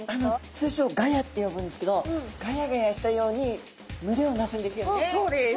通称ガヤって呼ぶんですけどガヤガヤしたように群れをなすんですよね。